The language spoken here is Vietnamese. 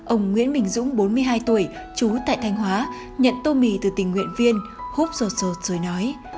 ông nguyễn bình dũng bốn mươi hai tuổi chú tại thanh hóa nhận tô mì từ tình nguyện viên hút rột rột rồi nói